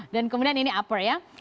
dan kemudian ini upper ya